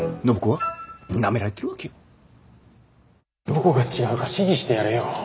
どこが違うか指示してやれよ。